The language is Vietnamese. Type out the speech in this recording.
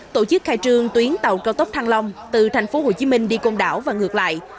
tổ chức khai trương tuyến tàu cao tốc thăng long từ thành phố hồ chí minh đi công đạo và ngược lại